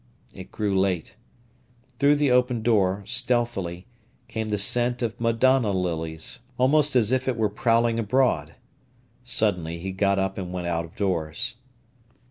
It grew late. Through the open door, stealthily, came the scent of madonna lilies, almost as if it were prowling abroad. Suddenly he got up and went out of doors.